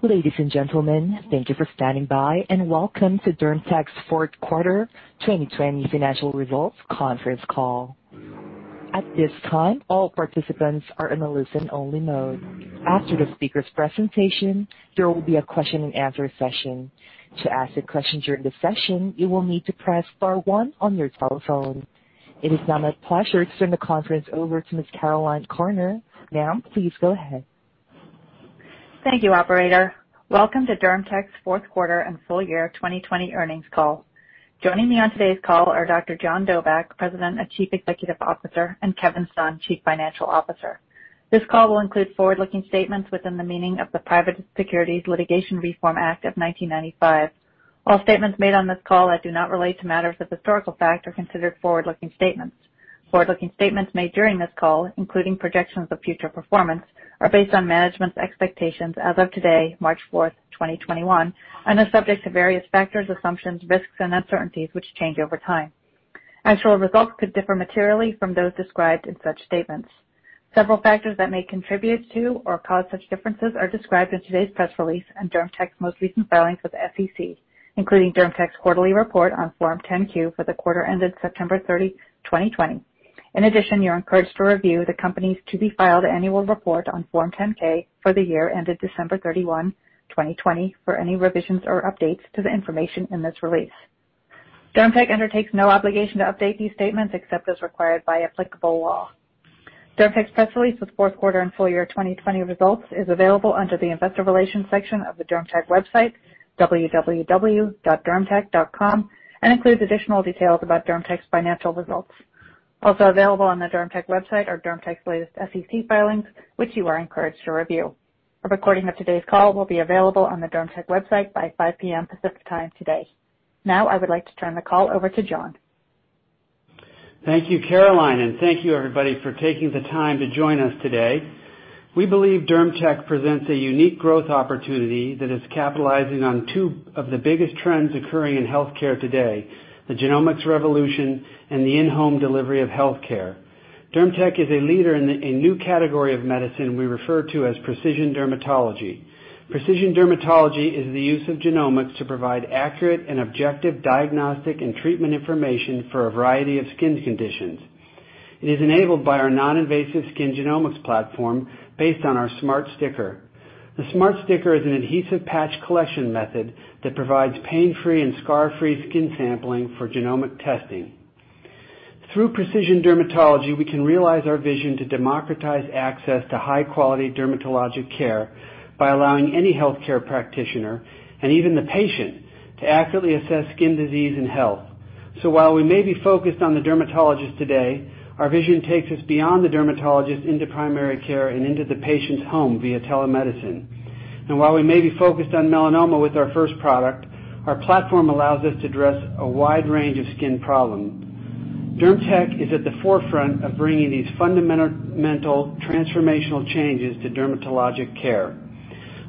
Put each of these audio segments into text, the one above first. Ladies and gentlemen, thank you for standing by and welcome to DermTech's fourth quarter 2020 financial results conference call. At this time, all participants are in a listen-only mode. After the speaker's presentation, there will be a question-and-answer session. To ask a question during the session, you will need to press star one on your telephone. It is now my pleasure to turn the conference over to Ms. Caroline Corner. Ma'am, please go ahead. Thank you, operator. Welcome to DermTech's fourth quarter and full year 2020 earnings call. Joining me on today's call are Dr. John Dobak, President and Chief Executive Officer, and Kevin Sun, Chief Financial Officer. This call will include forward-looking statements within the meaning of the Private Securities Litigation Reform Act of 1995. All statements made on this call that do not relate to matters of historical fact are considered forward-looking statements. Forward-looking statements made during this call, including projections of future performance, are based on management's expectations as of today, March 4th, 2021, and are subject to various factors, assumptions, risks, and uncertainties, which change over time. Actual results could differ materially from those described in such statements. Several factors that may contribute to or cause such differences are described in today's press release and DermTech's most recent filings with the SEC, including DermTech's quarterly report on Form 10-Q for the quarter ended September 30, 2020. In addition, you're encouraged to review the company's to-be-filed annual report on Form 10-K for the year ended December 31, 2020, for any revisions or updates to the information in this release. DermTech undertakes no obligation to update these statements except as required by applicable law. DermTech's press release for the fourth quarter and full year 2020 results is available under the investor relations section of the DermTech website, www.dermtech.com, and includes additional details about DermTech's financial results. Also available on the DermTech website are DermTech's latest SEC filings, which you are encouraged to review. A recording of today's call will be available on the DermTech website by 5:00 P.M. Pacific Time today. Now, I would like to turn the call over to John. Thank you, Caroline, and thank you, everybody, for taking the time to join us today. We believe DermTech presents a unique growth opportunity that is capitalizing on two of the biggest trends occurring in healthcare today, the genomics revolution and the in-home delivery of healthcare. DermTech is a leader in a new category of medicine we refer to as precision dermatology. Precision dermatology is the use of genomics to provide accurate and objective diagnostic and treatment information for a variety of skin conditions. It is enabled by our non-invasive skin genomics platform based on our Smart Sticker. The Smart Sticker is an adhesive patch collection method that provides pain-free and scar-free skin sampling for genomic testing. Through precision dermatology, we can realize our vision to democratize access to high-quality dermatologic care by allowing any healthcare practitioner, and even the patient, to accurately assess skin disease and health. While we may be focused on the dermatologist today, our vision takes us beyond the dermatologist into primary care and into the patient's home via telemedicine. While we may be focused on melanoma with our first product, our platform allows us to address a wide range of skin problems. DermTech is at the forefront of bringing these fundamental transformational changes to dermatologic care.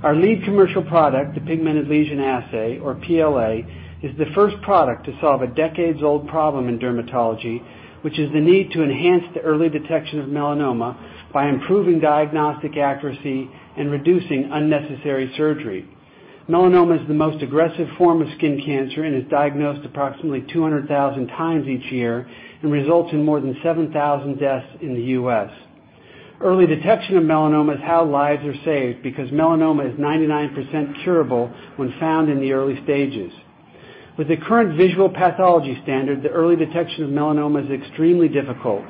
Our lead commercial product, the Pigmented Lesion Assay, or PLA, is the first product to solve a decades-old problem in dermatology, which is the need to enhance the early detection of melanoma by improving diagnostic accuracy and reducing unnecessary surgery. Melanoma is the most aggressive form of skin cancer and is diagnosed approximately 200,000 times each year and results in more than 7,000 deaths in the U.S. Early detection of melanoma is how lives are saved, because melanoma is 99% curable when found in the early stages. With the current visual pathology standard, the early detection of melanoma is extremely difficult,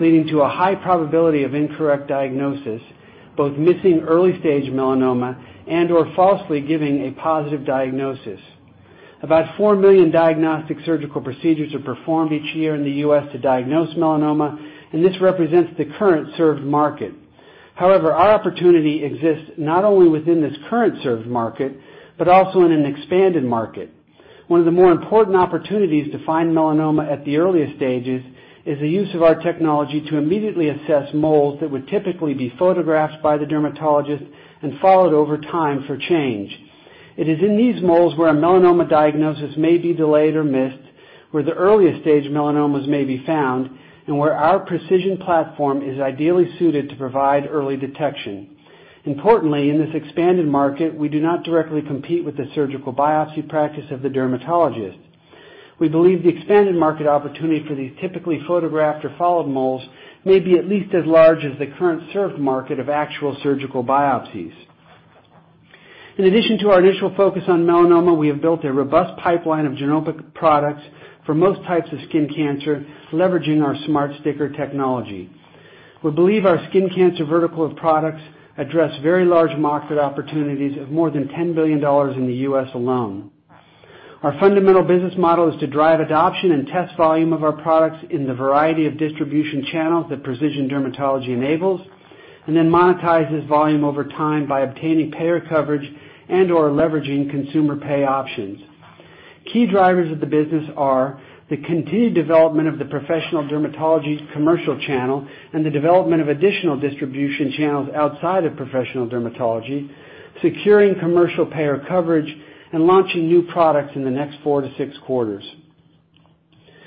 leading to a high probability of incorrect diagnosis, both missing early-stage melanoma and/or falsely giving a positive diagnosis. About 4 million diagnostic surgical procedures are performed each year in the U.S. to diagnose melanoma, and this represents the current served market. However, our opportunity exists not only within this current served market, but also in an expanded market. One of the more important opportunities to find melanoma at the earliest stages is the use of our technology to immediately assess moles that would typically be photographed by the dermatologist and followed over time for change. It is in these moles where a melanoma diagnosis may be delayed or missed, where the earliest stage melanomas may be found, and where our precision platform is ideally suited to provide early detection. Importantly, in this expanded market, we do not directly compete with the surgical biopsy practice of the dermatologist. We believe the expanded market opportunity for these typically photographed or followed moles may be at least as large as the current served market of actual surgical biopsies. In addition to our initial focus on melanoma, we have built a robust pipeline of genomic products for most types of skin cancer, leveraging our Smart Sticker technology. We believe our skin cancer vertical of products address very large market opportunities of more than $10 billion in the U.S. alone. Our fundamental business model is to drive adoption and test volume of our products in the variety of distribution channels that precision dermatology enables, and then monetize this volume over time by obtaining payer coverage and/or leveraging consumer pay options. Key drivers of the business are the continued development of the professional dermatology commercial channel and the development of additional distribution channels outside of professional dermatology, securing commercial payer coverage, and launching new products in the next four to six quarters.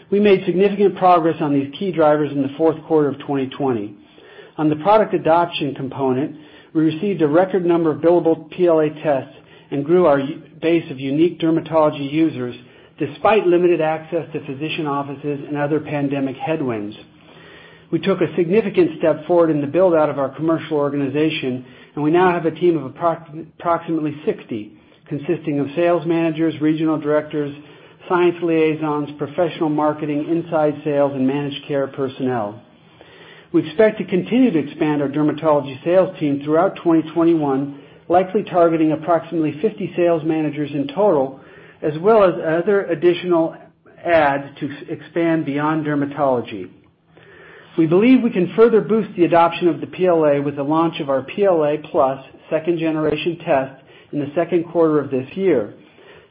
We made significant progress on these key drivers in the fourth quarter of 2020. On the product adoption component, we received a record number of billable PLA tests and grew our base of unique dermatology users despite limited access to physician offices and other pandemic headwinds. We took a significant step forward in the build-out of our commercial organization, and we now have a team of approximately 60, consisting of sales managers, regional directors, science liaisons, professional marketing, inside sales, and managed care personnel. We expect to continue to expand our dermatology sales team throughout 2021, likely targeting approximately 50 sales managers in total, as well as other additional adds to expand beyond dermatology. We believe we can further boost the adoption of the PLA with the launch of our PLAplus second generation test in the second quarter of this year.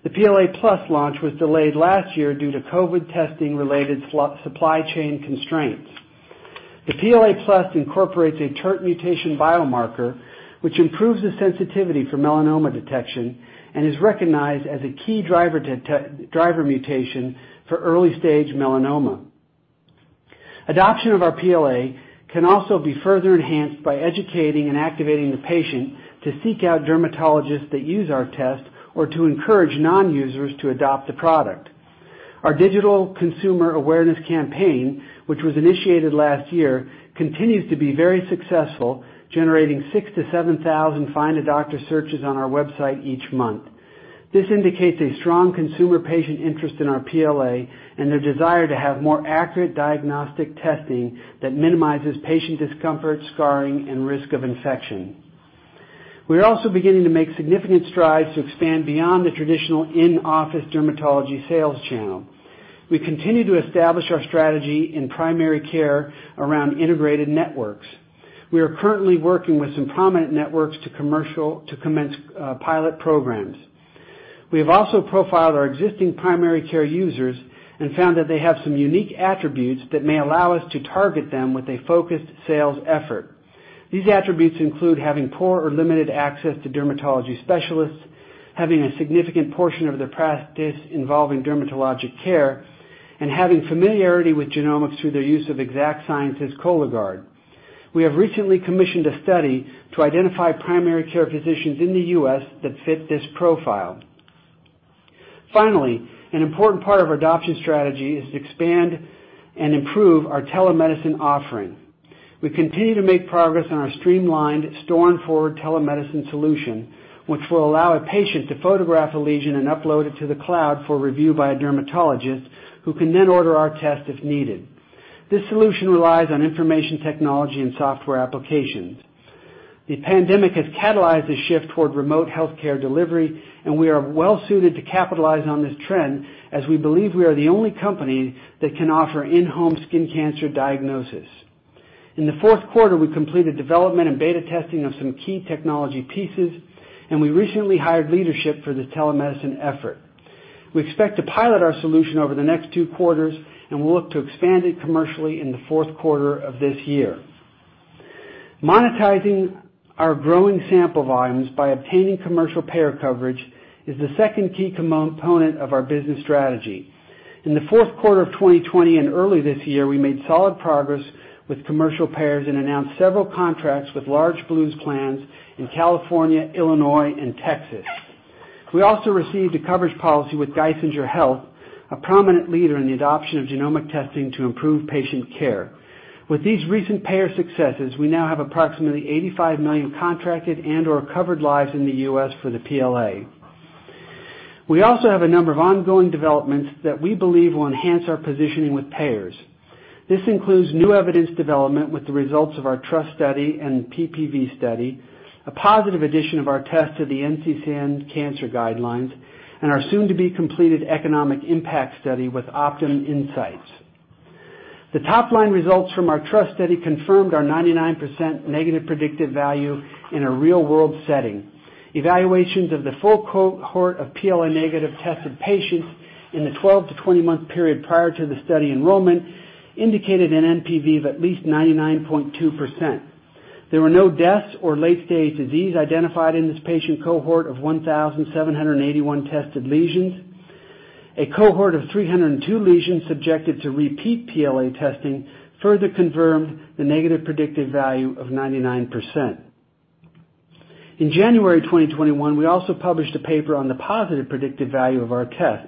The PLAplus launch was delayed last year due to COVID testing-related supply chain constraints. The PLAplus incorporates a TERT mutation biomarker, which improves the sensitivity for melanoma detection and is recognized as a key driver mutation for early-stage melanoma. Adoption of our PLA can also be further enhanced by educating and activating the patient to seek out dermatologists that use our test or to encourage non-users to adopt the product. Our digital consumer awareness campaign, which was initiated last year, continues to be very successful, generating 6,000-7,000 Find a Doctor searches on our website each month. This indicates a strong consumer patient interest in our PLA and their desire to have more accurate diagnostic testing that minimizes patient discomfort, scarring, and risk of infection. We are also beginning to make significant strides to expand beyond the traditional in-office dermatology sales channel. We continue to establish our strategy in primary care around integrated networks. We are currently working with some prominent networks to commence pilot programs. We have also profiled our existing primary care users and found that they have some unique attributes that may allow us to target them with a focused sales effort. These attributes include having poor or limited access to dermatology specialists, having a significant portion of their practice involving dermatologic care, and having familiarity with genomics through their use of Exact Sciences Cologuard. We have recently commissioned a study to identify primary care physicians in the U.S. that fit this profile. Finally, an important part of our adoption strategy is to expand and improve our telemedicine offering. We continue to make progress on our streamlined store and forward telemedicine solution, which will allow a patient to photograph a lesion and upload it to the cloud for review by a dermatologist, who can then order our test if needed. This solution relies on information technology and software applications. The pandemic has catalyzed a shift toward remote healthcare delivery, and we are well-suited to capitalize on this trend, as we believe we are the only company that can offer in-home skin cancer diagnosis. In the fourth quarter, we completed development and beta testing of some key technology pieces, and we recently hired leadership for the telemedicine effort. We expect to pilot our solution over the next two quarters and will look to expand it commercially in the fourth quarter of this year. Monetizing our growing sample volumes by obtaining commercial payer coverage is the second key component of our business strategy. In the fourth quarter of 2020 and early this year, we made solid progress with commercial payers and announced several contracts with large Blues plans in California, Illinois, and Texas. We also received a coverage policy with Geisinger Health, a prominent leader in the adoption of genomic testing to improve patient care. With these recent payer successes, we now have approximately 85 million contracted and/or covered lives in the U.S. for the PLA. We also have a number of ongoing developments that we believe will enhance our positioning with payers. This includes new evidence development with the results of our TRUST Study and PPV study, a positive addition of our test to the NCCN cancer guidelines, and our soon-to-be-completed economic impact study with OptumInsight. The top-line results from our TRUST Study confirmed our 99% negative predictive value in a real-world setting. Evaluations of the full cohort of PLA-negative tested patients in the 12-20 month period prior to the study enrollment indicated an NPV of at least 99.2%. There were no deaths or late-stage disease identified in this patient cohort of 1,781 tested lesions. A cohort of 302 lesions subjected to repeat PLA testing further confirmed the negative predictive value of 99%. In January 2021, we also published a paper on the positive predictive value of our test.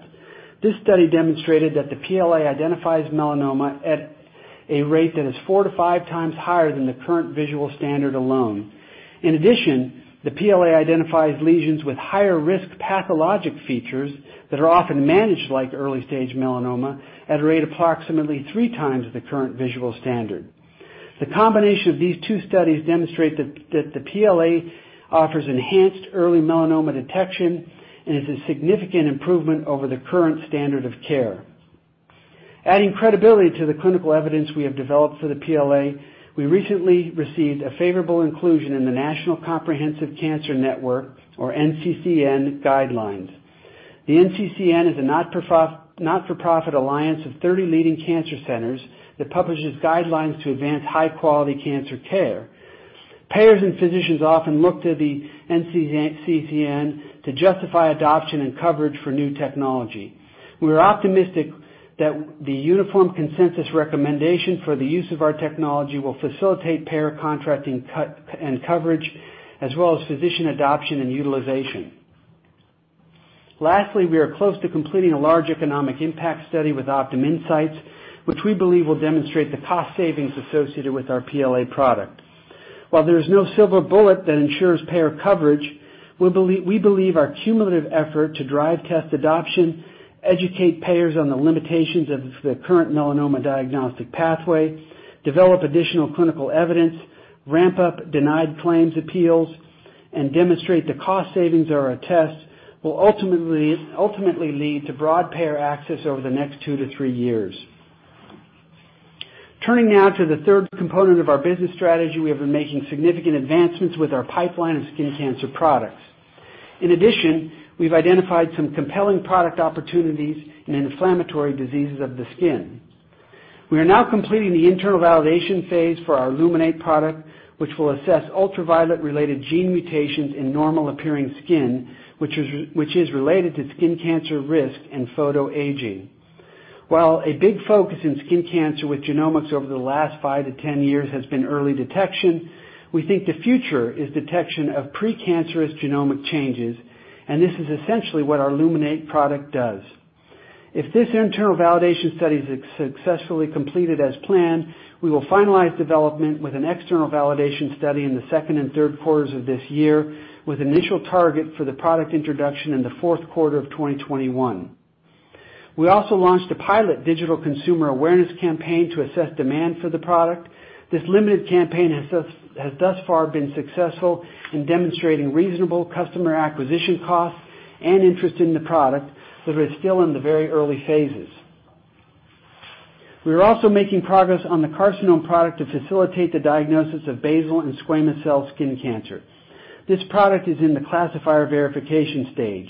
This study demonstrated that the PLA identifies melanoma at a rate that is 4x-5x higher than the current visual standard alone. In addition, the PLA identifies lesions with higher risk pathologic features that are often managed like early-stage melanoma at a rate approximately 3x the current visual standard. The combination of these two studies demonstrate that the PLA offers enhanced early melanoma detection and is a significant improvement over the current standard of care. Adding credibility to the clinical evidence we have developed for the PLA, we recently received a favorable inclusion in the National Comprehensive Cancer Network, or NCCN, guidelines. The NCCN is a not-for-profit alliance of 30 leading cancer centers that publishes guidelines to advance high-quality cancer care. Payers and physicians often look to the NCCN to justify adoption and coverage for new technology. We are optimistic that the uniform consensus recommendation for the use of our technology will facilitate payer contracting and coverage, as well as physician adoption and utilization. Lastly, we are close to completing a large economic impact study with OptumInsight, which we believe will demonstrate the cost savings associated with our PLA product. While there is no silver bullet that ensures payer coverage, we believe our cumulative effort to drive test adoption, educate payers on the limitations of the current melanoma diagnostic pathway, develop additional clinical evidence, ramp up denied claims appeals, and demonstrate the cost savings of our tests will ultimately lead to broad payer access over the next two to three years. Turning now to the third component of our business strategy, we have been making significant advancements with our pipeline of skin cancer products. In addition, we've identified some compelling product opportunities in inflammatory diseases of the skin. We are now completing the internal validation phase for our Luminate product, which will assess ultraviolet-related gene mutations in normal-appearing skin, which is related to skin cancer risk and photoaging. While a big focus in skin cancer with genomics over the last 5-10 years has been early detection, we think the future is detection of precancerous genomic changes, and this is essentially what our Luminate product does. If this internal validation study is successfully completed as planned, we will finalize development with an external validation study in the second and third quarters of this year, with initial target for the product introduction in the fourth quarter of 2021. We also launched a pilot digital consumer awareness campaign to assess demand for the product. This limited campaign has thus far been successful in demonstrating reasonable customer acquisition costs and interest in the product, but we're still in the very early phases. We are also making progress on the carcinoma product to facilitate the diagnosis of basal and squamous cell skin cancer. This product is in the classifier verification stage.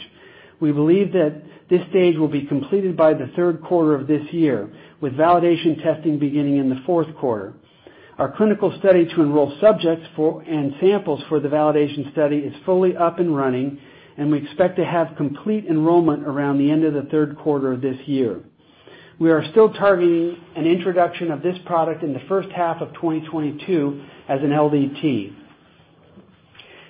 We believe that this stage will be completed by the third quarter of this year, with validation testing beginning in the fourth quarter. Our clinical study to enroll subjects and samples for the validation study is fully up and running, and we expect to have complete enrollment around the end of the third quarter of this year. We are still targeting an introduction of this product in the first half of 2022 as an LDT.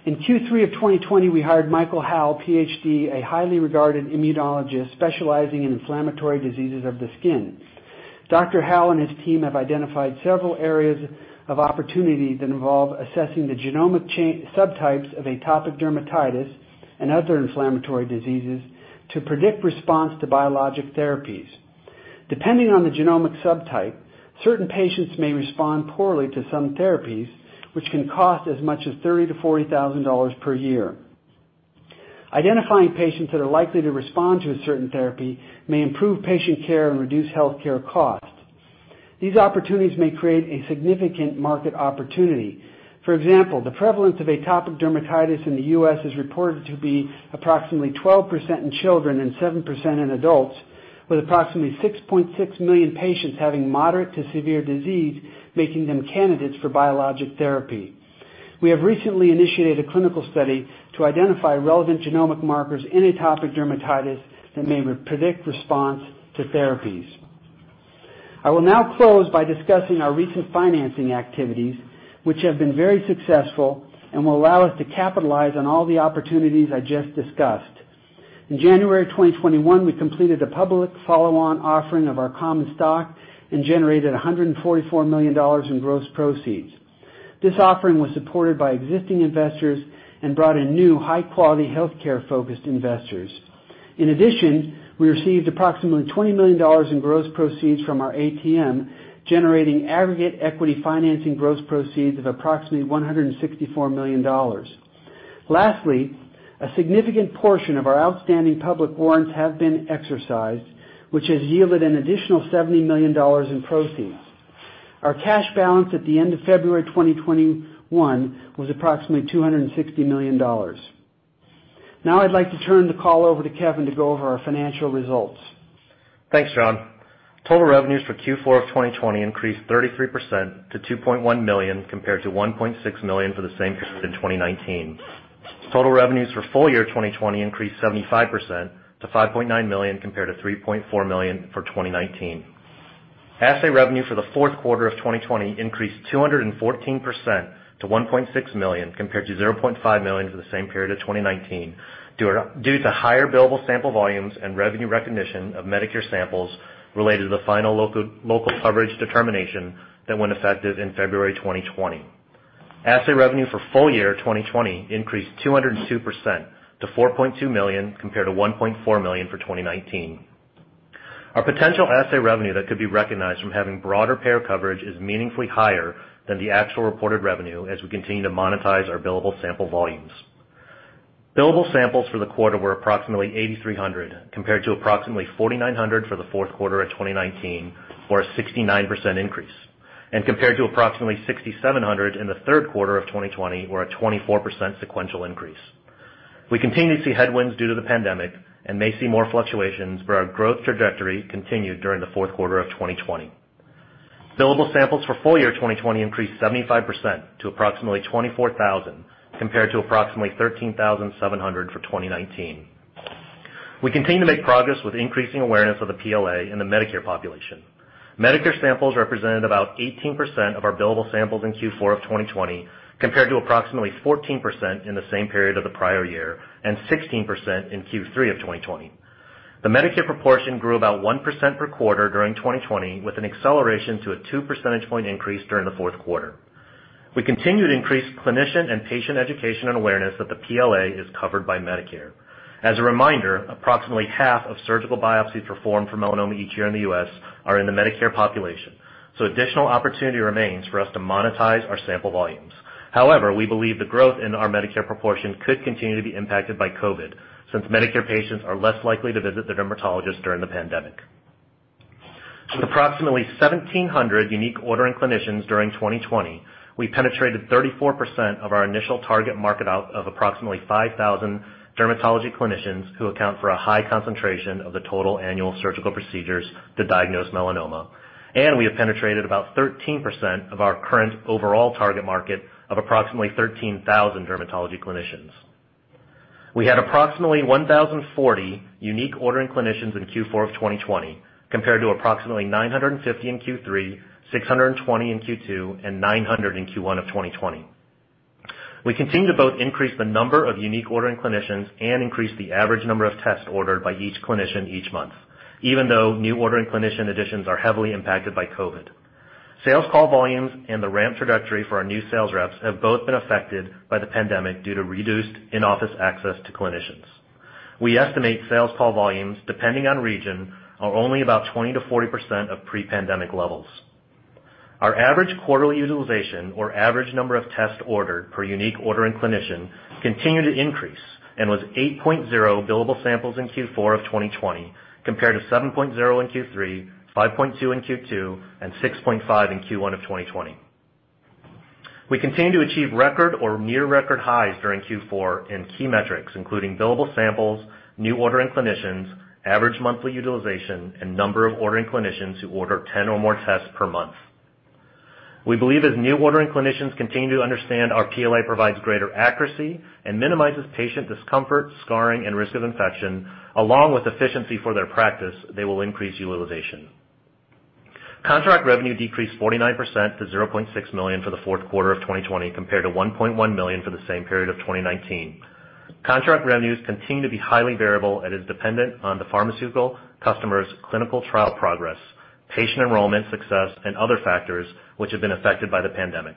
In Q3 of 2020, we hired Michael Howell, PhD, a highly regarded immunologist specializing in inflammatory diseases of the skin. Dr. Howell and his team have identified several areas of opportunity that involve assessing the genomic subtypes of atopic dermatitis and other inflammatory diseases to predict response to biologic therapies. Depending on the genomic subtype, certain patients may respond poorly to some therapies, which can cost as much as $30,000-$40,000 per year. Identifying patients that are likely to respond to a certain therapy may improve patient care and reduce healthcare costs. These opportunities may create a significant market opportunity. For example, the prevalence of atopic dermatitis in the U.S. is reported to be approximately 12% in children and 7% in adults, with approximately 6.6 million patients having moderate to severe disease, making them candidates for biologic therapy. We have recently initiated a clinical study to identify relevant genomic markers in atopic dermatitis that may predict response to therapies. I will now close by discussing our recent financing activities, which have been very successful and will allow us to capitalize on all the opportunities I just discussed. In January 2021, we completed a public follow-on offering of our common stock and generated $144 million in gross proceeds. This offering was supported by existing investors and brought in new high-quality healthcare-focused investors. In addition, we received approximately $20 million in gross proceeds from our ATM, generating aggregate equity financing gross proceeds of approximately $164 million. Lastly, a significant portion of our outstanding public warrants have been exercised, which has yielded an additional $70 million in proceeds. Our cash balance at the end of February 2021 was approximately $260 million. Now I'd like to turn the call over to Kevin to go over our financial results. Thanks, John. Total revenues for Q4 of 2020 increased 33% to $2.1 million, compared to $1.6 million for the same period in 2019. Total revenues for full year 2020 increased 75% to $5.9 million, compared to $3.4 million for 2019. Assay revenue for the fourth quarter of 2020 increased 214% to $1.6 million, compared to $0.5 million for the same period of 2019, due to higher billable sample volumes and revenue recognition of Medicare samples related to the final local coverage determination that went effective in February 2020. Assay revenue for full year 2020 increased 202% to $4.2 million, compared to $1.4 million for 2019. Our potential assay revenue that could be recognized from having broader payer coverage is meaningfully higher than the actual reported revenue as we continue to monetize our billable sample volumes. Billable samples for the quarter were approximately 8,300, compared to approximately 4,900 for the fourth quarter of 2019 or a 69% increase, and compared to approximately 6,700 in the third quarter of 2020 or a 24% sequential increase. We continue to see headwinds due to the pandemic and may see more fluctuations, but our growth trajectory continued during the fourth quarter of 2020. Billable samples for full year 2020 increased 75% to approximately 24,000, compared to approximately 13,700 for 2019. We continue to make progress with increasing awareness of the PLA in the Medicare population. Medicare samples represented about 18% of our billable samples in Q4 of 2020 compared to approximately 14% in the same period of the prior year, and 16% in Q3 of 2020. The Medicare proportion grew about 1% per quarter during 2020, with an acceleration to a 2 percentage point increase during the fourth quarter. We continue to increase clinician and patient education and awareness that the PLA is covered by Medicare. As a reminder, approximately half of surgical biopsies performed for melanoma each year in the U.S. are in the Medicare population, so additional opportunity remains for us to monetize our sample volumes. However, we believe the growth in our Medicare proportion could continue to be impacted by COVID, since Medicare patients are less likely to visit their dermatologist during the pandemic. With approximately 1,700 unique ordering clinicians during 2020, we penetrated 34% of our initial target market out of approximately 5,000 dermatology clinicians who account for a high concentration of the total annual surgical procedures to diagnose melanoma. We have penetrated about 13% of our current overall target market of approximately 13,000 dermatology clinicians. We had approximately 1,040 unique ordering clinicians in Q4 of 2020 compared to approximately 950 in Q3, 620 in Q2, and 900 in Q1 of 2020. We continue to both increase the number of unique ordering clinicians and increase the average number of tests ordered by each clinician each month, even though new ordering clinician additions are heavily impacted by COVID. Sales call volumes and the ramp trajectory for our new sales reps have both been affected by the pandemic due to reduced in-office access to clinicians. We estimate sales call volumes, depending on region, are only about 20%-40% of pre-pandemic levels. Our average quarterly utilization or average number of tests ordered per unique ordering clinician continued to increase and was 8.0 billable samples in Q4 of 2020 compared to 7.0 in Q3, 5.2 in Q2, and 6.5 in Q1 of 2020. We continue to achieve record or near record highs during Q4 in key metrics, including billable samples, new ordering clinicians, average monthly utilization, and number of ordering clinicians who order 10 or more tests per month. We believe as new ordering clinicians continue to understand our PLA provides greater accuracy and minimizes patient discomfort, scarring, and risk of infection, along with efficiency for their practice, they will increase utilization. Contract revenue decreased 49% to $0.6 million for the fourth quarter of 2020 compared to $1.1 million for the same period of 2019. Contract revenues continue to be highly variable and is dependent on the pharmaceutical customers' clinical trial progress, patient enrollment success, and other factors which have been affected by the pandemic.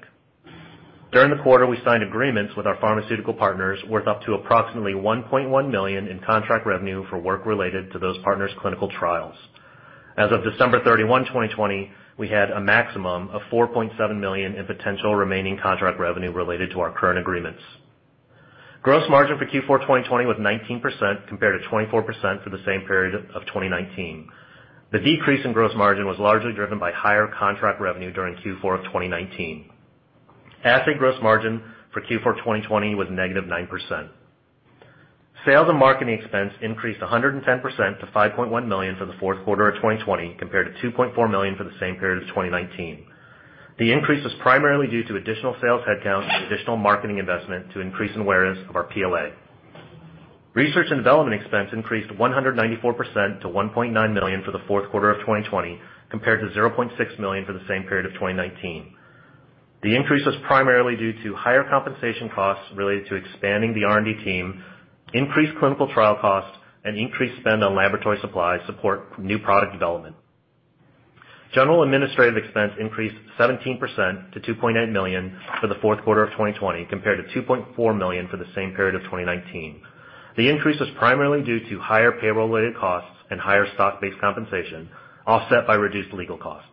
During the quarter, we signed agreements with our pharmaceutical partners worth up to approximately $1.1 million in contract revenue for work related to those partners' clinical trials. As of December 31, 2020, we had a maximum of $4.7 million in potential remaining contract revenue related to our current agreements. Gross margin for Q4 2020 was 19% compared to 24% for the same period of 2019. The decrease in gross margin was largely driven by higher contract revenue during Q4 of 2019. Assay gross margin for Q4 2020 was -9%. Sales and marketing expense increased 110% to $5.1 million for the fourth quarter of 2020 compared to $2.4 million for the same period of 2019. The increase was primarily due to additional sales headcount and additional marketing investment to increase awareness of our PLA. Research and development expense increased 194% to $1.9 million for the fourth quarter of 2020 compared to $0.6 million for the same period of 2019. The increase was primarily due to higher compensation costs related to expanding the R&D team, increased clinical trial costs, and increased spend on laboratory supplies support new product development. General administrative expense increased 17% to $2.8 million for the fourth quarter of 2020 compared to $2.4 million for the same period of 2019. The increase was primarily due to higher payroll-related costs and higher stock-based compensation, offset by reduced legal costs.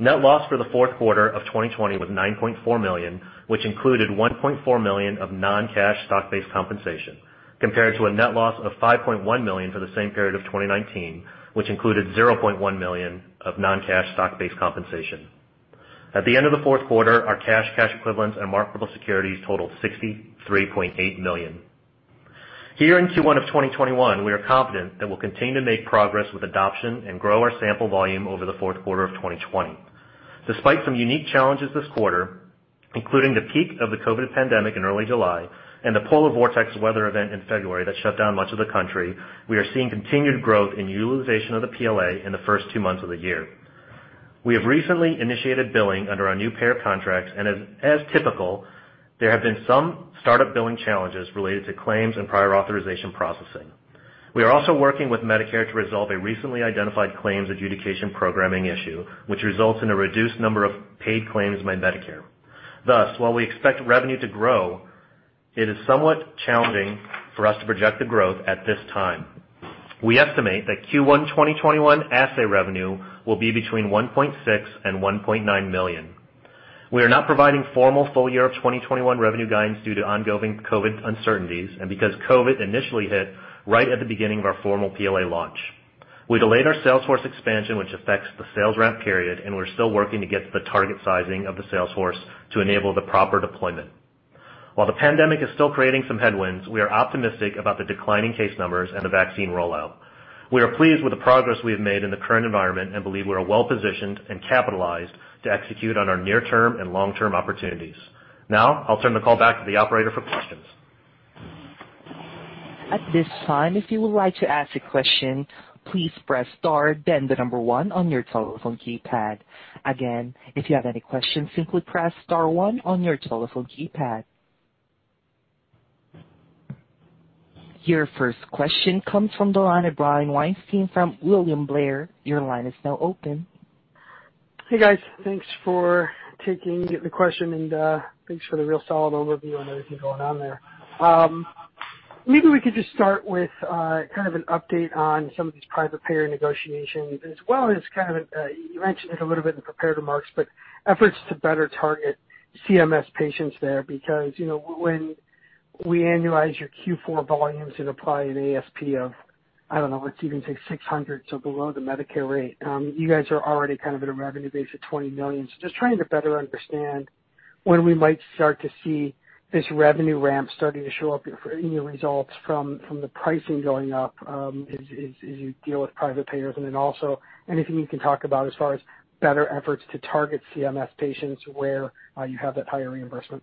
Net loss for the fourth quarter of 2020 was $9.4 million, which included $1.4 million of non-cash stock-based compensation compared to a net loss of $5.1 million for the same period of 2019, which included $0.1 million of non-cash stock-based compensation. At the end of the fourth quarter, our cash and cash equivalents, and marketable securities totaled $63.8 million. Here in Q1 of 2021, we are confident that we'll continue to make progress with adoption and grow our sample volume over the fourth quarter of 2020. Despite some unique challenges this quarter, including the peak of the COVID pandemic in early July and the polar vortex weather event in February that shut down much of the country, we are seeing continued growth in utilization of the PLA in the first two months of the year. We have recently initiated billing under our new payer contracts. As typical, there have been some start-up billing challenges related to claims and prior authorization processing. We are also working with Medicare to resolve a recently identified claims adjudication programming issue, which results in a reduced number of paid claims by Medicare. While we expect revenue to grow, it is somewhat challenging for us to project the growth at this time. We estimate that Q1 2021 assay revenue will be between $1.6 million and $1.9 million. We are not providing formal full year of 2021 revenue guidance due to ongoing COVID uncertainties and because COVID initially hit right at the beginning of our formal PLA launch. We delayed our sales force expansion, which affects the sales ramp period, and we're still working to get the target sizing of the sales force to enable the proper deployment. While the pandemic is still creating some headwinds, we are optimistic about the declining case numbers and the vaccine rollout. We are pleased with the progress we have made in the current environment and believe we are well-positioned and capitalized to execute on our near-term and long-term opportunities. Now, I'll turn the call back to the operator for questions. At this time, if you would like to ask a question, please press star then the number one on your telephone keypad. Again, if you have any questions, simply press star one on your telephone keypad. Your first question comes from the line of Brian Weinstein from William Blair. Your line is now open. Hey, guys. Thanks for taking the question and thanks for the real solid overview on everything going on there. Maybe we could just start with kind of an update on some of these private payer negotiations as well as kind of, you mentioned it a little bit in prepared remarks, but efforts to better target CMS patients there because when we annualize your Q4 volumes and apply an ASP of, I don't know, let's even say $600, so below the Medicare rate. You guys are already kind of at a revenue base of $20 million. Just trying to better understand when we might start to see this revenue ramp starting to show up in your results from the pricing going up as you deal with private payers and then also anything you can talk about as far as better efforts to target CMS patients where you have that higher reimbursement?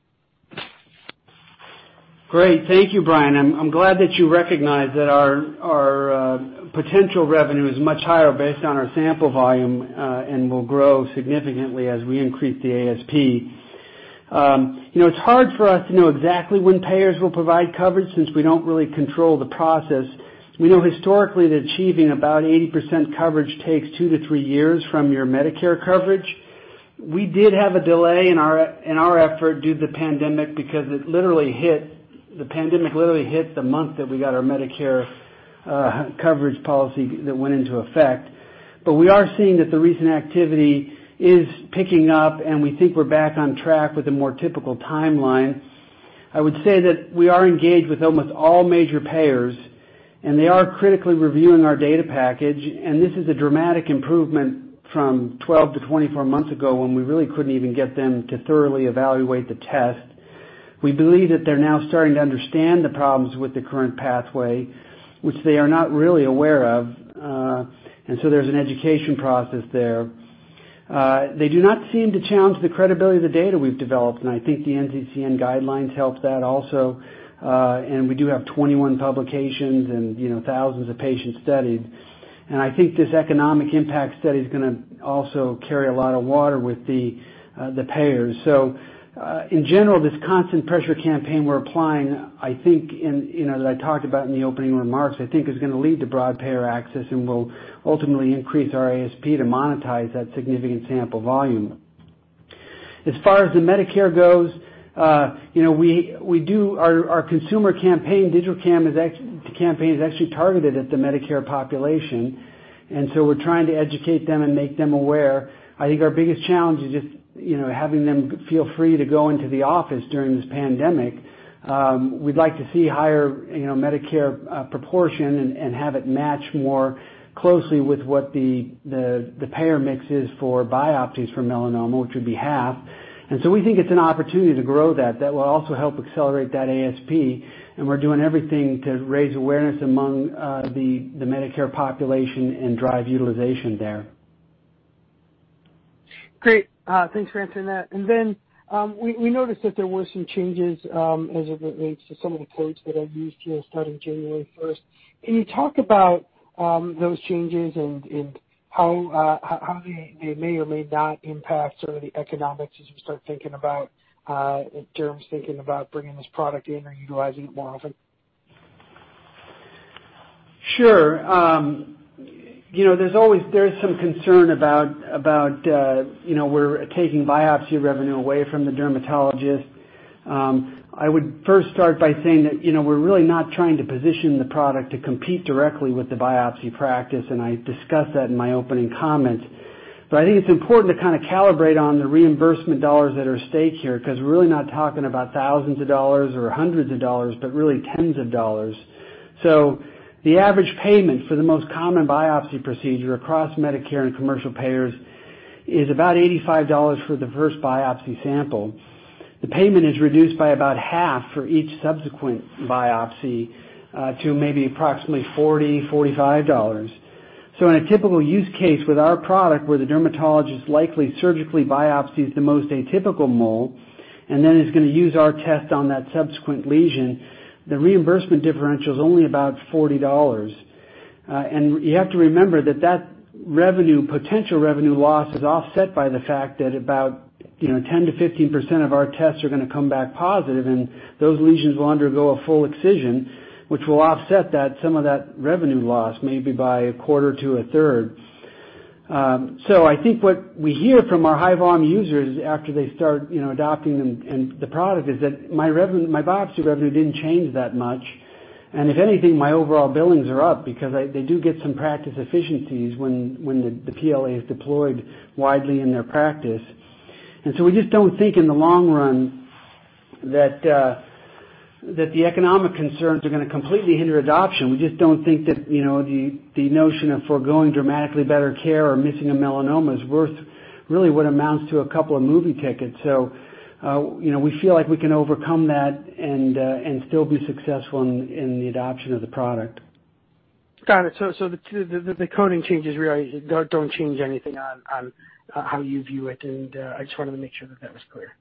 Great. Thank you, Brian. I'm glad that you recognize that our potential revenue is much higher based on our sample volume, and will grow significantly as we increase the ASP. It's hard for us to know exactly when payers will provide coverage since we don't really control the process. We know historically that achieving about 80% coverage takes two to three years from your Medicare coverage. We did have a delay in our effort due to the pandemic, because the pandemic literally hit the month that we got our Medicare coverage policy that went into effect. We are seeing that the recent activity is picking up, and we think we're back on track with a more typical timeline. I would say that we are engaged with almost all major payers, and they are critically reviewing our data package, and this is a dramatic improvement from 12-24 months ago when we really couldn't even get them to thoroughly evaluate the test. We believe that they're now starting to understand the problems with the current pathway, which they are not really aware of. There's an education process there. They do not seem to challenge the credibility of the data we've developed, and I think the NCCN guidelines help that also. We do have 21 publications and thousands of patients studied. I think this economic impact study's going to also carry a lot of water with the payers. In general, this constant pressure campaign we're applying, as I talked about in the opening remarks, I think is going to lead to broad payer access and will ultimately increase our ASP to monetize that significant sample volume. As far as the Medicare goes, our consumer campaign, digital campaign, is actually targeted at the Medicare population. We're trying to educate them and make them aware. I think our biggest challenge is just having them feel free to go into the office during this pandemic. We'd like to see higher Medicare proportion and have it match more closely with what the payer mix is for biopsies for melanoma, which would be half. We think it's an opportunity to grow that. That will also help accelerate that ASP, and we're doing everything to raise awareness among the Medicare population and drive utilization there. Great. Thanks for answering that. We noticed that there were some changes as it relates to some of the codes that are used here starting January 1st. Can you talk about those changes and how they may or may not impact sort of the economics as you start thinking about, if derms thinking about bringing this product in or utilizing it more often? Sure. There's some concern about we're taking biopsy revenue away from the dermatologist. I would first start by saying that we're really not trying to position the product to compete directly with the biopsy practice, and I discussed that in my opening comments. I think it's important to kind of calibrate on the reimbursement dollars that are at stake here because we're really not talking about thousands of dollars or hundreds of dollars, but really tens of dollars. The average payment for the most common biopsy procedure across Medicare and commercial payers is about $85 for the first biopsy sample. The payment is reduced by about half for each subsequent biopsy to maybe approximately $40, $45. In a typical use case with our product where the dermatologist likely surgically biopsies the most atypical mole and then is going to use our test on that subsequent lesion, the reimbursement differential is only about $40. You have to remember that potential revenue loss is offset by the fact that about 10%-15% of our tests are going to come back positive, and those lesions will undergo a full excision, which will offset some of that revenue loss, maybe by a 1/4-1/3. I think what we hear from our high-volume users after they start adopting the product is that, "My biopsy revenue didn't change that much, and if anything, my overall billings are up" because they do get some practice efficiencies when the PLA is deployed widely in their practice. We just don't think in the long run that the economic concerns are going to completely hinder adoption. We just don't think that the notion of foregoing dramatically better care or missing a melanoma is worth really what amounts to a couple of movie tickets. We feel like we can overcome that and still be successful in the adoption of the product. Got it. The coding changes really don't change anything on how you view it, and I just wanted to make sure that that was clear.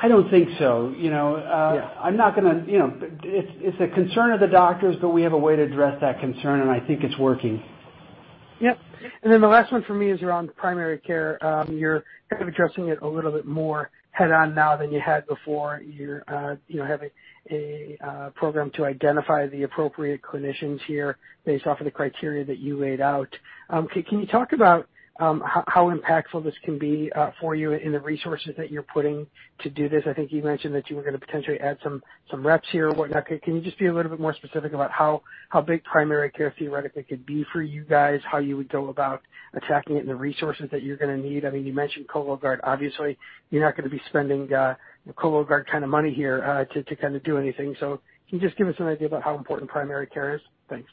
I don't think so. It's a concern of the doctors, but we have a way to address that concern, and I think it's working. Yep. The last one for me is around primary care. You're kind of addressing it a little bit more head on now than you had before. You have a program to identify the appropriate clinicians here based off of the criteria that you laid out. Can you talk about how impactful this can be for you in the resources that you're putting to do this? I think you mentioned that you were going to potentially add some reps here or whatnot. Can you just be a little bit more specific about how big primary care theoretically could be for you guys, how you would go about attacking it, and the resources that you're going to need? I mean, you mentioned Cologuard. Obviously, you're not going to be spending Cologuard kind of money here to do anything. Can you just give us an idea about how important primary care is? Thanks.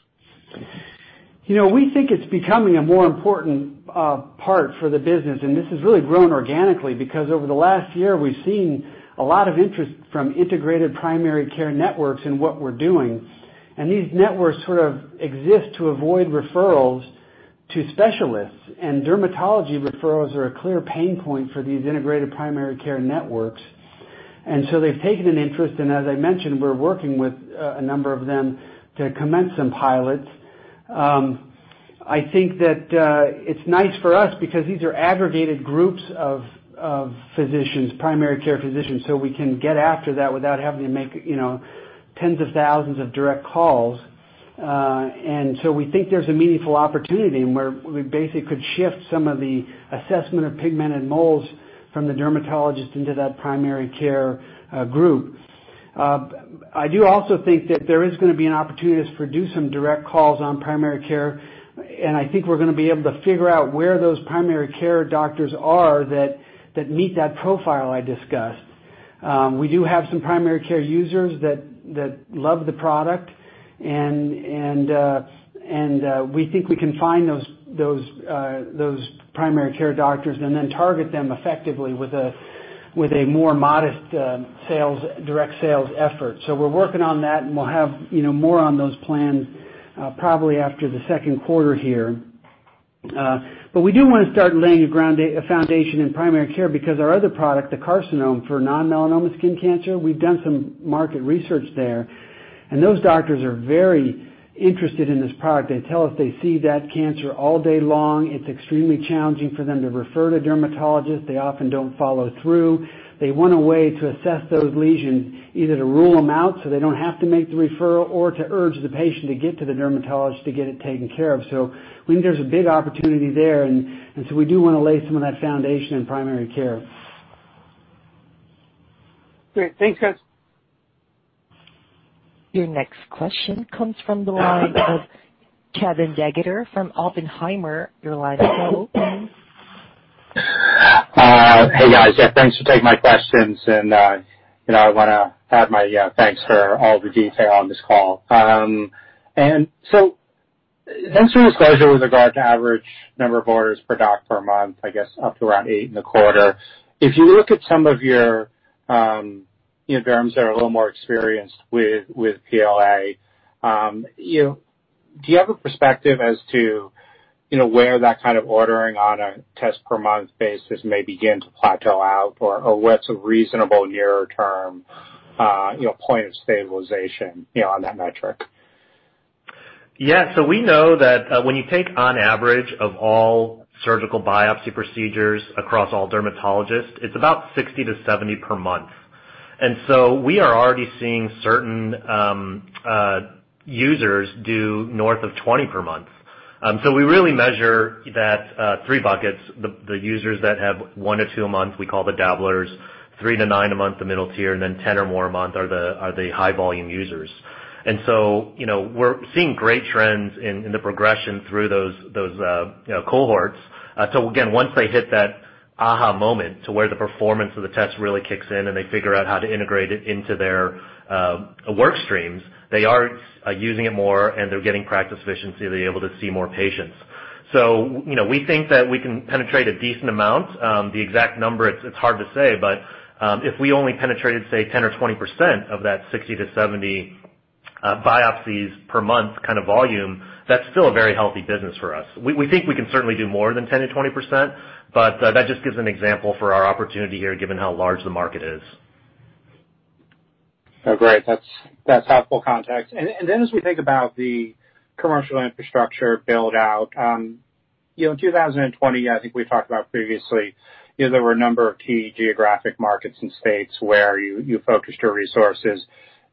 We think it's becoming a more important part for the business, and this has really grown organically, because over the last year, we've seen a lot of interest from integrated primary care networks in what we're doing. These networks sort of exist to avoid referrals to specialists, and dermatology referrals are a clear pain point for these integrated primary care networks. They've taken an interest, and as I mentioned, we're working with a number of them to commence some pilots. I think that it's nice for us because these are aggregated groups of physicians, primary care physicians, so we can get after that without having to make tens of thousands of direct calls. We think there's a meaningful opportunity and where we basically could shift some of the assessment of pigmented moles from the dermatologist into that primary care group. I do also think that there is going to be an opportunity to produce some direct calls on primary care, and I think we're going to be able to figure out where those primary care doctors are that meet that profile I discussed. We do have some primary care users that love the product, and we think we can find those primary care doctors and then target them effectively with a more modest direct sales effort. We're working on that, and we'll have more on those plans probably after the second quarter here. We do want to start laying a foundation in primary care because our other product, the carcinoma for non-melanoma skin cancer, we've done some market research there, and those doctors are very interested in this product. They tell us they see that cancer all day long. It's extremely challenging for them to refer to dermatologists. They often don't follow through. They want a way to assess those lesions, either to rule them out so they don't have to make the referral, or to urge the patient to get to the dermatologist to get it taken care of. We think there's a big opportunity there, and so we do want to lay some of that foundation in primary care. Great. Thanks, guys. Your next question comes from the line of Kevin DeGeeter from Oppenheimer. Your line is open. Hey, guys. Yeah, thanks for taking my questions, and I want to add my thanks for all the detail on this call. Thanks for the disclosure with regard to average number of orders per doc per month, I guess up to around eight in the quarter. If you look at some of your environments that are a little more experienced with PLA, do you have a perspective as to where that kind of ordering on a test per month basis may begin to plateau out? What's a reasonable near-term point of stabilization on that metric? Yeah. We know that when you take on average of all surgical biopsy procedures across all dermatologists, it's about 60-70 per month. We are already seeing certain users do north of 20 per month. We really measure that three buckets. The users that have one to two a month, we call the dabblers, three to nine a month, the middle tier, and then 10 or more a month are the high volume users. We're seeing great trends in the progression through those cohorts. Again, once they hit that aha moment to where the performance of the test really kicks in and they figure out how to integrate it into their work streams, they are using it more, and they're getting practice efficiency. They're able to see more patients. We think that we can penetrate a decent amount. The exact number, it's hard to say, but if we only penetrated, say, 10% or 20% of that 60-70 biopsies per month kind of volume, that's still a very healthy business for us. We think we can certainly do more than 10%-20%, but that just gives an example for our opportunity here, given how large the market is. Oh, great. That's helpful context. Then as we think about the commercial infrastructure build-out, in 2020, I think we talked about previously, there were a number of key geographic markets and states where you focused your resources.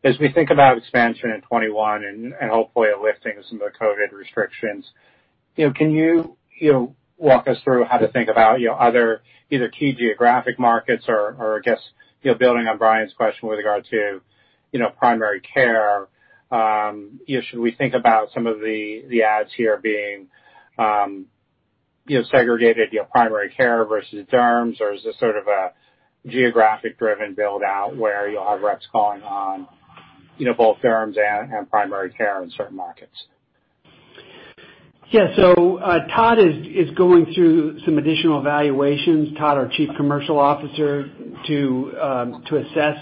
As we think about expansion in 2021 and hopefully a lifting of some of the COVID restrictions, can you walk us through how to think about other either key geographic markets or I guess, building on Brian's question with regard to primary care, should we think about some of the ads here being segregated your primary care versus derms, or is this sort of a geographic-driven build-out where you'll have reps calling on both derms and primary care in certain markets? Yeah. Todd is going through some additional evaluations, Todd, our Chief Commercial Officer, to assess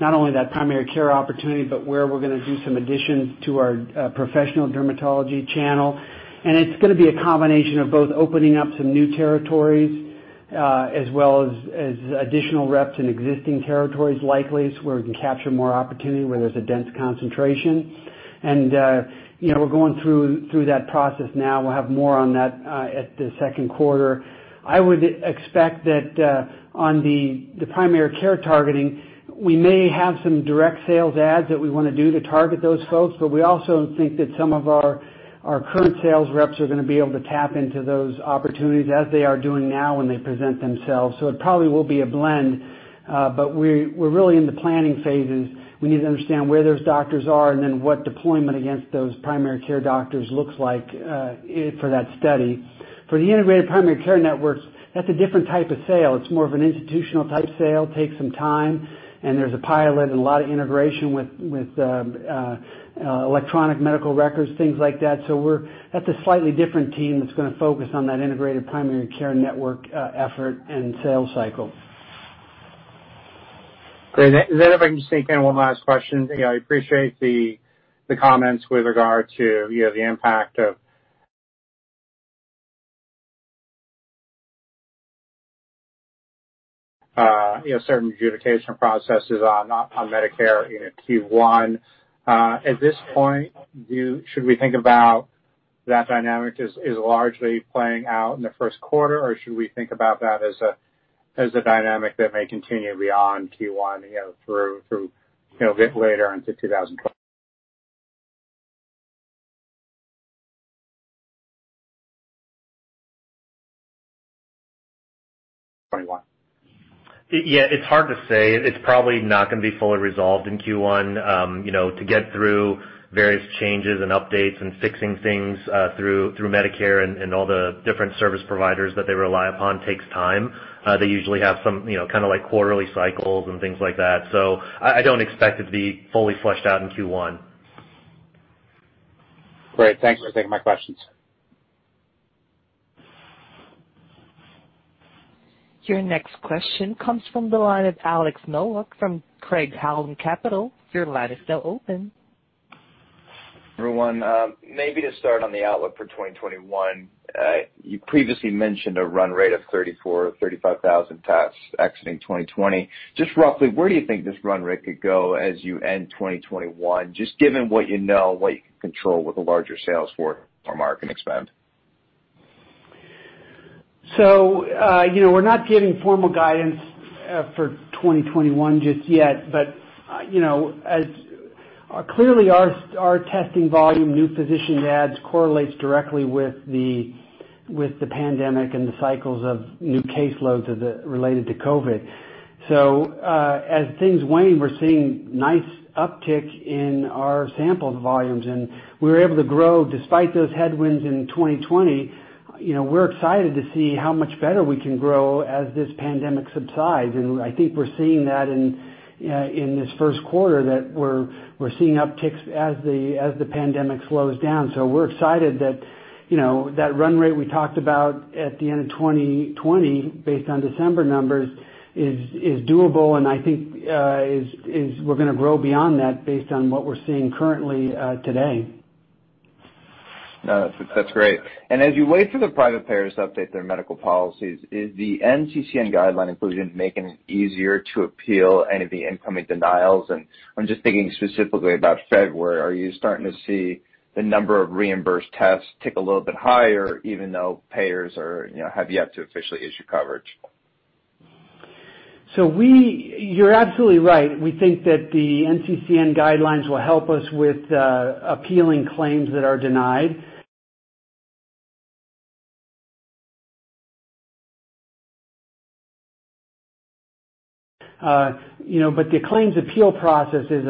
not only that primary care opportunity, but where we're going to do some additions to our professional dermatology channel. It's going to be a combination of both opening up some new territories, as well as additional reps in existing territories likely, so where we can capture more opportunity, where there's a dense concentration. We're going through that process now. We'll have more on that at the second quarter. I would expect that on the primary care targeting, we may have some direct sales ads that we want to do to target those folks. We also think that some of our current sales reps are going to be able to tap into those opportunities as they are doing now when they present themselves. It probably will be a blend. We're really in the planning phases. We need to understand where those doctors are and then what deployment against those primary care doctors looks like for that study. For the integrated primary care networks, that's a different type of sale. It's more of an institutional type sale, takes some time, and there's a pilot and a lot of integration with electronic medical records, things like that. That's a slightly different team that's going to focus on that integrated primary care network effort and sales cycle. Great. If I can just take one last question. I appreciate the comments with regard to the impact of certain adjudication processes on Medicare in Q1. At this point, should we think about that dynamic as largely playing out in the first quarter, or should we think about that as a dynamic that may continue beyond Q1 through a bit later into 2021? Yeah, it's hard to say. It's probably not going to be fully resolved in Q1. To get through various changes and updates and fixing things through Medicare and all the different service providers that they rely upon takes time. They usually have some kind of quarterly cycles and things like that. I don't expect it to be fully fleshed out in Q1. Great. Thanks for taking my questions. Your next question comes from the line of Alex Nowak from Craig-Hallum Capital. Your line is now open. Hello, everyone. Maybe to start on the outlook for 2021. You previously mentioned a run rate of 34,000 or 35,000 tests exiting 2020. Just roughly, where do you think this run rate could go as you end 2021, just given what you know and what you can control with the larger sales force or market expand? We're not giving formal guidance for 2021 just yet. Clearly our testing volume, new physician adds, correlates directly with the pandemic and the cycles of new caseloads related to COVID. As things wane, we're seeing nice uptick in our sample volumes, and we were able to grow despite those headwinds in 2020. We're excited to see how much better we can grow as this pandemic subsides. I think we're seeing that in this first quarter, that we're seeing upticks as the pandemic slows down. We're excited that run rate we talked about at the end of 2020, based on December numbers, is doable and I think we're going to grow beyond that based on what we're seeing currently today. No, that's great. As you wait for the private payers to update their medical policies, is the NCCN guideline inclusion making it easier to appeal any of the incoming denials? I'm just thinking specifically about February. Are you starting to see the number of reimbursed tests tick a little bit higher even though payers have yet to officially issue coverage? You're absolutely right. We think that the NCCN guidelines will help us with appealing claims that are denied. The claims appeal process is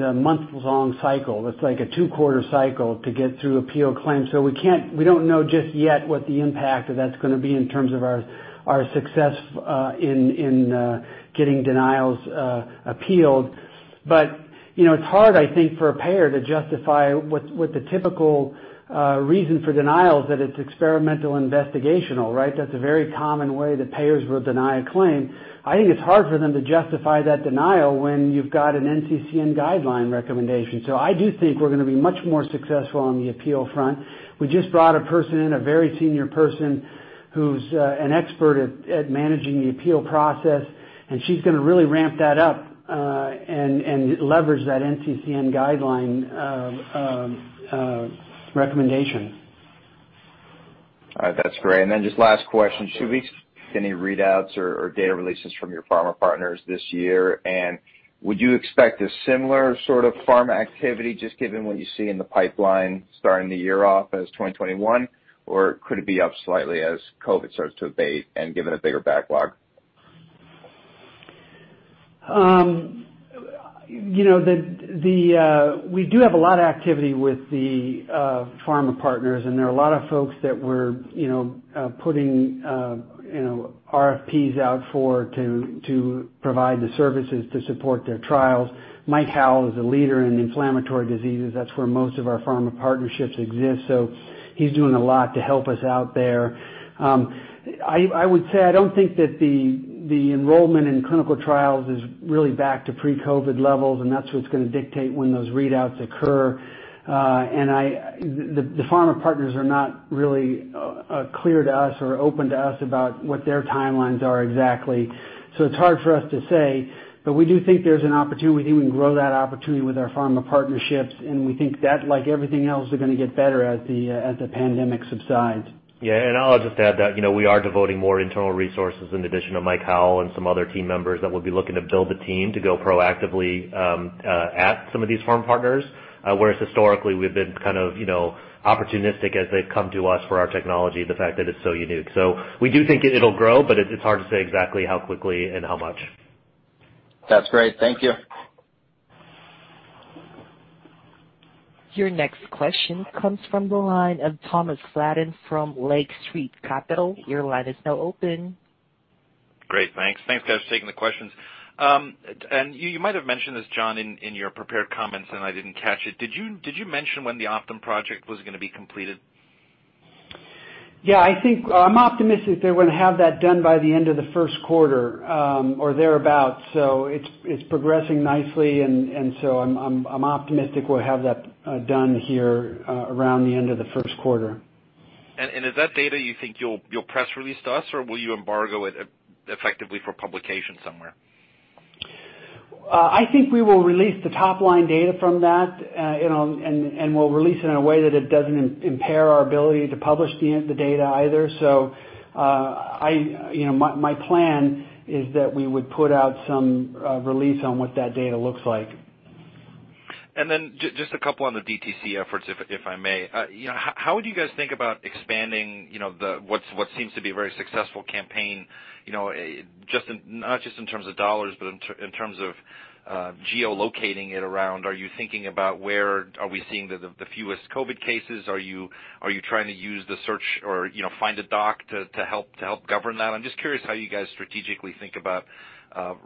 a months-long cycle. It's like a two-quarter cycle to get through appealed claims. We don't know just yet what the impact of that's going to be in terms of our success in getting denials appealed. It's hard, I think, for a payer to justify with the typical reason for denials that it's Experimental and Investigational, right? That's a very common way that payers will deny a claim. I think it's hard for them to justify that denial when you've got an NCCN guideline recommendation. I do think we're going to be much more successful on the appeal front. We just brought a person in, a very senior person who's an expert at managing the appeal process. She's going to really ramp that up and leverage that NCCN guideline recommendation. All right, that's great. Just last question. Should we expect any readouts or data releases from your pharma partners this year? Would you expect a similar sort of pharma activity just given what you see in the pipeline starting the year off as 2021, or could it be up slightly as COVID starts to abate and given a bigger backlog? We do have a lot of activity with the pharma partners, and there are a lot of folks that we're putting RFPs out for to provide the services to support their trials. Mike Howell is a leader in inflammatory diseases. That's where most of our pharma partnerships exist. He's doing a lot to help us out there. I would say, I don't think that the enrollment in clinical trials is really back to pre-COVID levels, and that's what's going to dictate when those readouts occur. The pharma partners are not really clear to us or open to us about what their timelines are exactly. It's hard for us to say, but we do think there's an opportunity. We think we can grow that opportunity with our pharma partnerships, and we think that, like everything else, is going to get better as the pandemic subsides. Yeah, I'll just add that we are devoting more internal resources in addition to Mike Howell and some other team members that will be looking to build the team to go proactively at some of these pharma partners. Whereas historically, we've been kind of opportunistic as they've come to us for our technology, the fact that it's so unique. We do think it'll grow, but it's hard to say exactly how quickly and how much. That's great. Thank you. Your next question comes from the line of Thomas Flaten from Lake Street Capital. Your line is now open. Great, thanks. Thanks for taking the questions. You might have mentioned this, John, in your prepared comments, and I didn't catch it. Did you mention when the Optum project was going to be completed? Yeah, I think I'm optimistic that we're going to have that done by the end of the first quarter, or thereabout. It's progressing nicely, and so I'm optimistic we'll have that done here around the end of the first quarter. Is that data you think you'll press release to us, or will you embargo it effectively for publication somewhere? I think we will release the top-line data from that, and we'll release it in a way that it doesn't impair our ability to publish the data either. My plan is that we would put out some release on what that data looks like. Just a couple on the DTC efforts, if I may. How would you guys think about expanding what seems to be a very successful campaign, not just in terms of dollars, but in terms of geo-locating it around? Are you thinking about where are we seeing the fewest COVID cases? Are you trying to use the search or Find a Doc to help govern that? I'm just curious how you guys strategically think about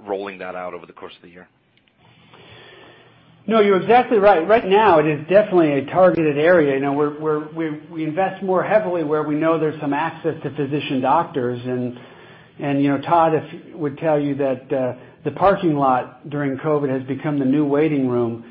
rolling that out over the course of the year. No, you're exactly right. Right now, it is definitely a targeted area. We invest more heavily where we know there's some access to physician doctors. Todd would tell you that the parking lot during COVID has become the new waiting room,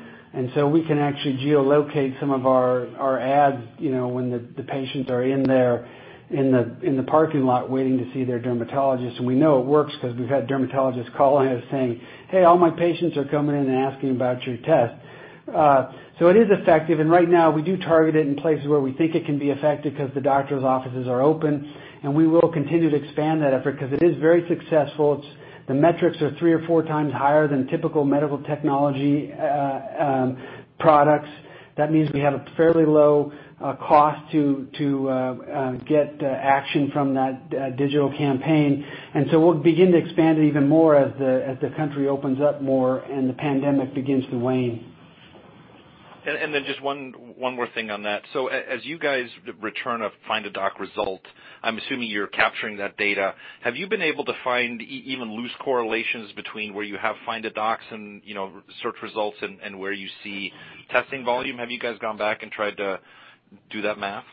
so we can actually geo-locate some of our ads when the patients are in there in the parking lot waiting to see their dermatologist. We know it works because we've had dermatologists calling us saying, "Hey, all my patients are coming in and asking about your test." It is effective, and right now, we do target it in places where we think it can be effective because the doctor's offices are open, and we will continue to expand that effort because it is very successful. The metrics are 3x or 4x higher than typical medical technology products. That means we have a fairly low cost to get action from that digital campaign. We'll begin to expand it even more as the country opens up more and the pandemic begins to wane. Just one more thing on that. As you guys return a Find a Doc result, I'm assuming you're capturing that data. Have you been able to find even loose correlations between where you have Find a Docs and search results and where you see testing volume? Have you guys gone back and tried to do that math?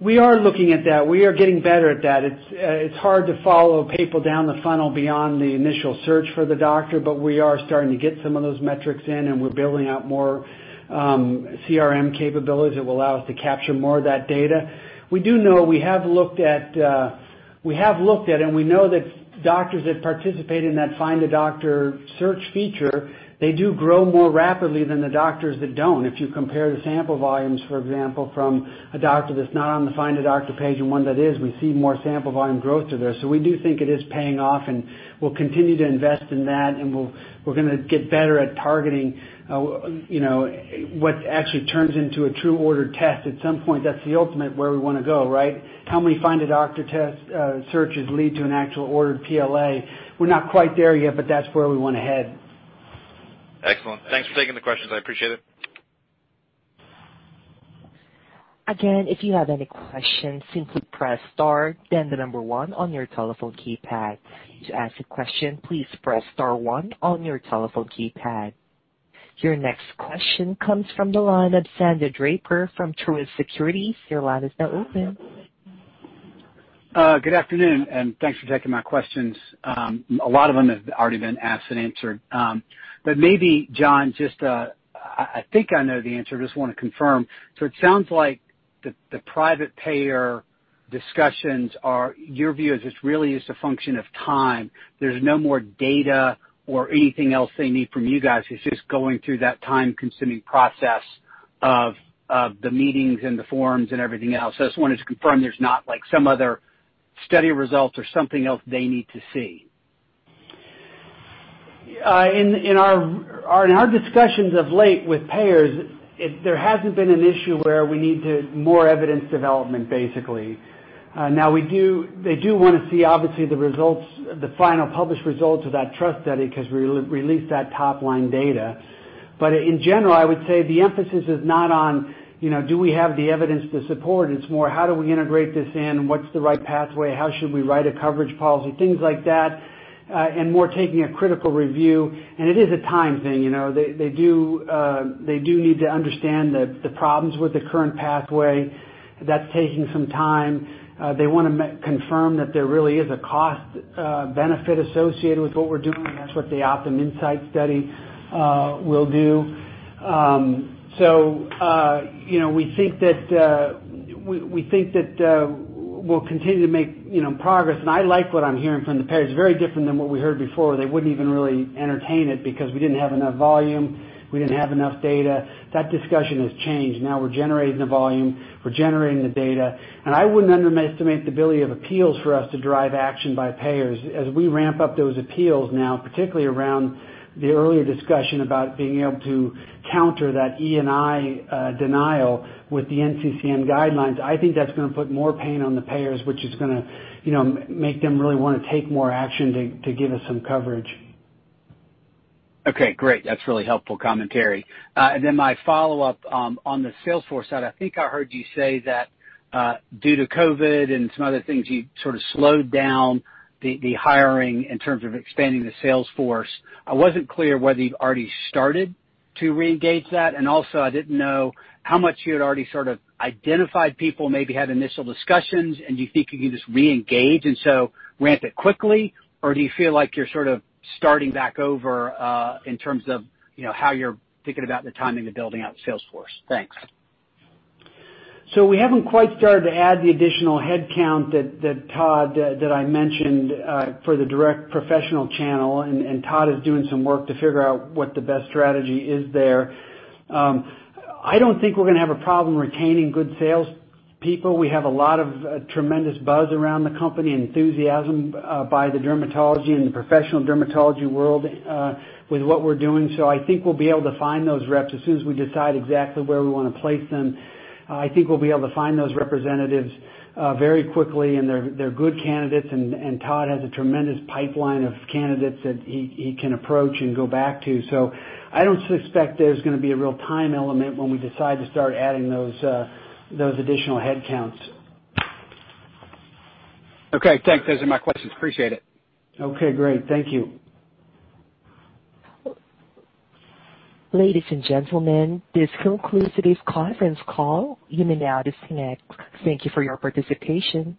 We are looking at that. We are getting better at that. It's hard to follow people down the funnel beyond the initial search for the doctor, but we are starting to get some of those metrics in, and we're building out more CRM capabilities that will allow us to capture more of that data. We do know we have looked at, and we know that doctors that participate in that Find a Doctor search feature, they do grow more rapidly than the doctors that don't. If you compare the sample volumes, for example, from a doctor that's not on the Find a Doctor page and one that is, we see more sample volume growth through there. We do think it is paying off, and we'll continue to invest in that and we're going to get better at targeting what actually turns into a true ordered test. At some point, that's the ultimate where we want to go, right? How many Find a Doctor searches lead to an actual ordered PLA? We're not quite there yet, but that's where we want to head. Excellent. Thanks for taking the questions. I appreciate it. Again, if you have any question, simply press star then the number one on your telephone keypad. To ask a question, press star one on your telephone keypad. Your next question comes from the line of Sandy Draper from Truist Securities. Your line is now open. Good afternoon. Thanks for taking my questions. A lot of them have already been asked and answered. Maybe, John, I think I know the answer, just want to confirm. It sounds like the private payer discussions are your view is this really is a function of time. There's no more data or anything else they need from you guys. It's just going through that time-consuming process of the meetings and the forums and everything else. I just wanted to confirm there's not some other study results or something else they need to see. In our discussions of late with payers, there hasn't been an issue where we need more evidence development, basically. They do want to see, obviously, the final published results of that TRUST Study because we released that top-line data. In general, I would say the emphasis is not on, do we have the evidence to support? It's more, how do we integrate this in? What's the right pathway? How should we write a coverage policy? Things like that, and more taking a critical review. It is a time thing. They do need to understand the problems with the current pathway. That's taking some time. They want to confirm that there really is a cost benefit associated with what we're doing. That's what the OptumInsight study will do. We think that we'll continue to make progress, and I like what I'm hearing from the payers. Very different than what we heard before. They wouldn't even really entertain it because we didn't have enough volume, we didn't have enough data. That discussion has changed. Now we're generating the volume, we're generating the data, and I wouldn't underestimate the ability of appeals for us to drive action by payers. As we ramp up those appeals now, particularly around the earlier discussion about being able to counter that E&I denial with the NCCN guidelines, I think that's going to put more pain on the payers, which is going to make them really want to take more action to give us some coverage. Okay, great. That's really helpful commentary. My follow-up on the sales force side, I think I heard you say that due to COVID and some other things, you sort of slowed down the hiring in terms of expanding the sales force. I wasn't clear whether you've already started to reengage that, and also I didn't know how much you had already sort of identified people, maybe had initial discussions. Do you think you can just reengage and so ramp it quickly? Or do you feel like you're sort of starting back over, in terms of how you're thinking about the timing of building out the sales force? Thanks. We haven't quite started to add the additional headcount, Todd, that I mentioned, for the direct professional channel, and Todd is doing some work to figure out what the best strategy is there. I don't think we're going to have a problem retaining good salespeople. We have a lot of tremendous buzz around the company, enthusiasm, by the dermatology and the professional dermatology world, with what we're doing. I think we'll be able to find those reps as soon as we decide exactly where we want to place them. I think we'll be able to find those representatives very quickly, and they're good candidates, and Todd has a tremendous pipeline of candidates that he can approach and go back to. I don't suspect there's going to be a real time element when we decide to start adding those additional headcounts. Okay, thanks. Those are my questions. Appreciate it. Okay, great. Thank you. Ladies and gentlemen, this concludes today's conference call. You may now disconnect. Thank you for your participation.